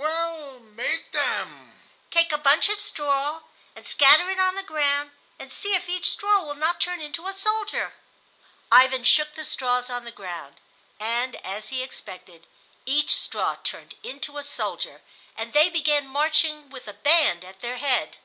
"Well, make them." "Take a bunch of straw and scatter it on the ground, and see if each straw will not turn into a soldier." Ivan shook the straws on the ground, and, as he expected, each straw turned into a soldier, and they began marching with a band at their head.